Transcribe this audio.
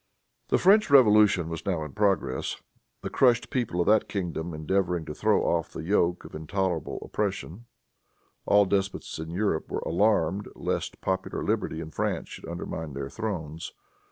The French Revolution was now in progress, the crushed people of that kingdom endeavoring to throw off the yoke of intolerable oppression. All the despots in Europe were alarmed lest popular liberty in France should undermine their thrones.